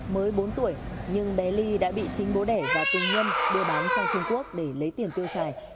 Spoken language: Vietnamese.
mới bốn tuổi nhưng bé ly đã bị chính bố đẻ và tù nhân đưa bán sang trung quốc để lấy tiền tiêu xài